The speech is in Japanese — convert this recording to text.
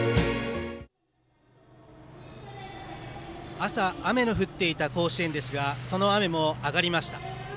朝、雨の降っていた甲子園ですがその雨も上がりました。